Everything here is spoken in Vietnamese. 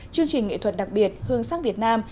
chương trình nghệ thuật đặc biệt hương sắc việt nam